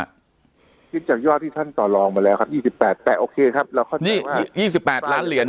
คิดจากยอดที่ท่านต่อลองมาแล้วครับ๒๘แต่โอเคครับนี่๒๘ล้านเหรียญ